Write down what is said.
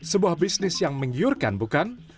sebuah bisnis yang menggiurkan bukan